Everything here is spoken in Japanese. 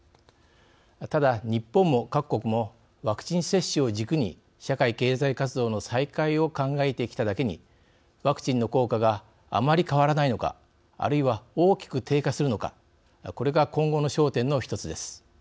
ただ日本も各国もワクチン接種を軸に社会経済活動の再開を考えてきただけにワクチンの効果があまり変わらないのかあるいは大きく低下するのかこれが今後の焦点の１つです。